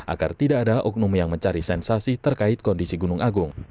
agar tidak ada oknum yang mencari sensasi terkait kondisi gunung agung